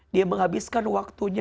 dia menghabiskan waktunya